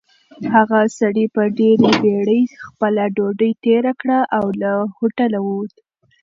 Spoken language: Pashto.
هغه سړي په ډېرې بېړۍ خپله ډوډۍ تېره کړه او له هوټله ووت.